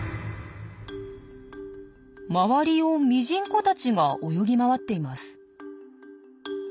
周りをミジンコたちが泳ぎ回っています。